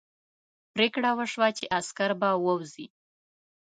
پرېکړه وشوه چې عسکر به ووځي.